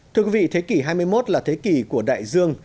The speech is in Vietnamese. thưa quý vị thế kỷ hai mươi một là thế kỷ của đại dương